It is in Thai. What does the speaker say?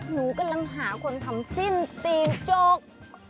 หนูกำลังหาคนทำสิ้นตีนจก